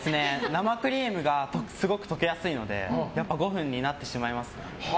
生クリームがすごく溶けやすいので５分になってしまいます。